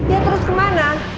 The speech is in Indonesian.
ya terus kemana